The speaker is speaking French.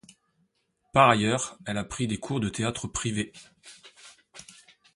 Par ailleurs elle a pris des cours de théâtre privés.